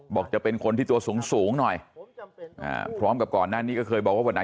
จะเป็นคนที่ตัวสูงสูงหน่อยอ่าพร้อมกับก่อนหน้านี้ก็เคยบอกว่าวันไหน